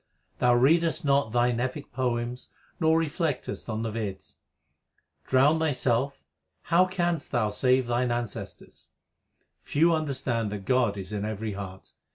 Thou readest not thine epic poems nor reflectest on the Veds: Drowned thyself, how canst thou save thine ancestors ? Few understand that God is in every heart.